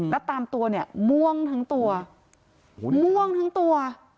แล้วตามตัวเงี่ยมางทุกตัว